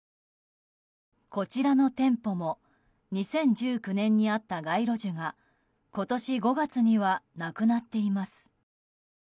こちらの店舗も２０１９年にあった街路樹が今年５月にはなくなっています。